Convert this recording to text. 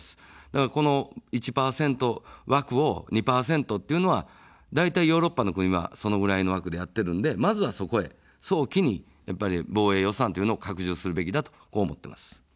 だからこの１％枠を２％というのは、だいたいヨーロッパの国はそのぐらいの枠でやっているので、まずはそこへ早期に防衛予算というのを拡充するべきだと思っています。